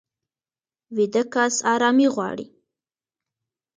ویده کس ارامي غواړي